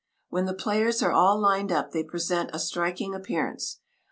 When the players are all lined up they present a striking appearance.